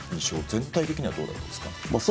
全体的にはどうだったんですか？